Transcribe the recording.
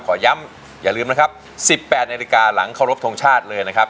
ขอย้ำอย่าลืมนะครับ๑๘นาฬิกาหลังเคารพทงชาติเลยนะครับ